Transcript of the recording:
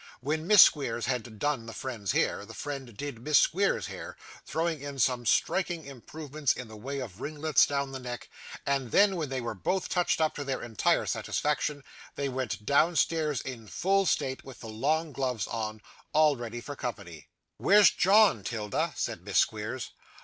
When Miss Squeers had 'done' the friend's hair, the friend 'did' Miss Squeers's hair, throwing in some striking improvements in the way of ringlets down the neck; and then, when they were both touched up to their entire satisfaction, they went downstairs in full state with the long gloves on, all ready for company. 'Where's John, 'Tilda?' said Miss Squeers.